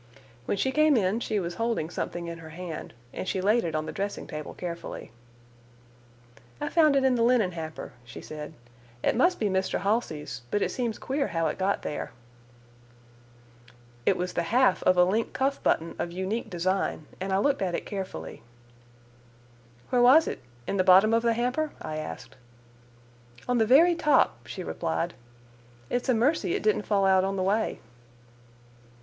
When she came in she was holding something in her hand, and she laid it on the dressing table carefully. "I found it in the linen hamper," she said. "It must be Mr. Halsey's, but it seems queer how it got there." It was the half of a link cuff button of unique design, and I looked at it carefully. "Where was it? In the bottom of the hamper?" I asked. "On the very top," she replied. "It's a mercy it didn't fall out on the way."